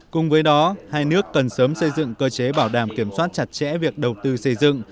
cùng với đó hai nước cần sớm xây dựng cơ chế bảo đảm kiểm soát chặt chẽ việc đầu tư xây dựng